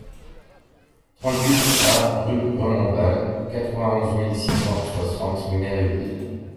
trente-huit A rue de Renonval, quatre-vingt-onze mille six cent soixante Méréville